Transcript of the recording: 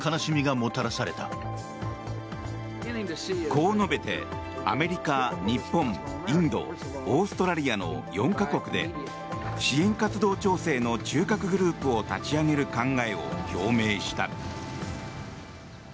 こう述べてアメリカ、日本インド、オーストラリアの４か国で支援活動調整の中核グループを立ち上げる考えを表明した。